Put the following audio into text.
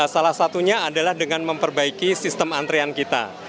salah satunya adalah dengan memperbaiki sistem antrian kita